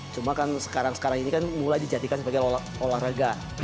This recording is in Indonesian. cuma kan sekarang sekarang ini kan mulai dijadikan sebagai olahraga